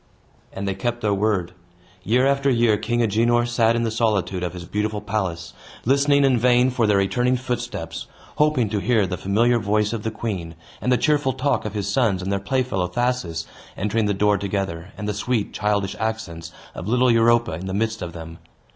And they kept their word. Year after year, King Agenor sat in the solitude of his beautiful palace, listening in vain for their returning footsteps, hoping to hear the familiar voice of the queen, and the cheerful talk of his sons and their playfellow Thasus, entering the door together, and the sweet, childish accents of little Europa in the midst of them.